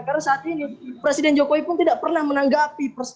karena saat ini presiden jokowi pun tidak pernah menanggapi